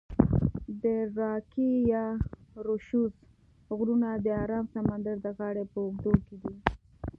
د راکي یا روشوز غرونه د آرام سمندر د غاړي په اوږدو کې دي.